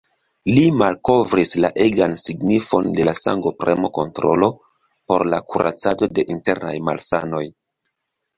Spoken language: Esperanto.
Li malkovris la egan signifon de la sangopremo-kontrolo por la kuracado de internaj malsanoj.